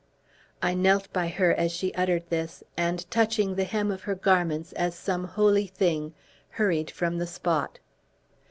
I knelt by her as she uttered this; and touching the hem of her garments as some holy thing, hurried from the spot."